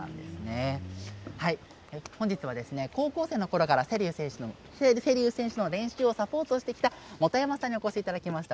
本日は、高校生から瀬立選手の練習をサポートしてきた本山さんにお越しいただきました。